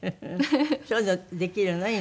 そういうのできるのね